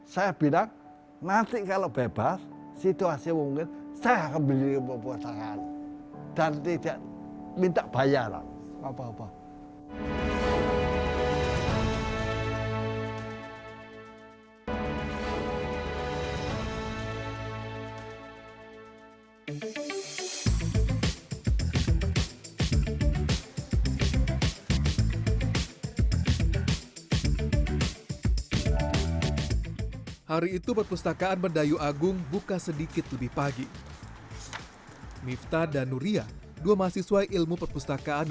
saya bilang nanti kalau bebas situasi mungkin saya akan beli perpustakaan dan tidak minta bayaran